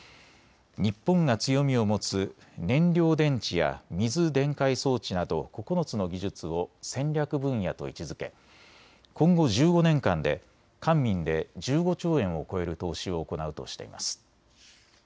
日本が強みを持つ燃料電池や水電解装置など９つの技術を戦略分野と位置づけ今後１５年間で官民で１５兆円を超える投資を行うとしています。